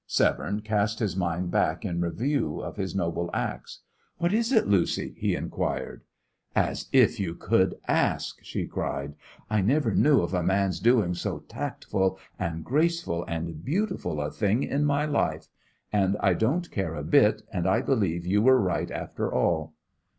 Severne cast his mind back in review of his noble acts. "What is it, Lucy?" he inquired. "As if you could ask!" she cried. "I never knew of a man's doing so tactful and graceful and beautiful a thing in my life! And I don't care a bit, and I believe you were right, after all."